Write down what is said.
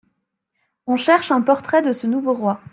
On cherche un portrait de ce nouveau roi.